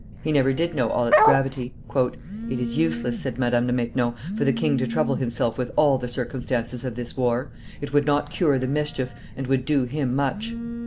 He never did know all its gravity. "It is useless," said Madame de Maintenon, "for the king to trouble himself with all the circumstances of this war; it would not cure the mischief, and would do him much."